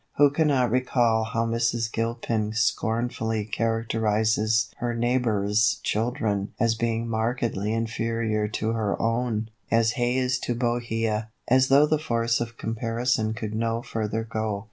Who cannot recall how Mrs. Gilpin scornfully characterises her neighbours' children as being markedly inferior to her own, "As hay is to Bohea;" as though the force of comparison could no further go.